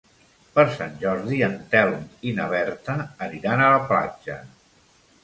Per Sant Jordi en Telm i na Berta aniran a la platja.